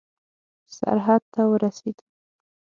سرحد ته ورسېدو.